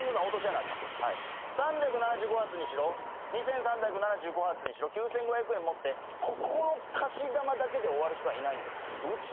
３７５玉にしろ２，３７５玉にしろ９，５００円持ってここの貸し玉だけで終わる人はいないんですよ。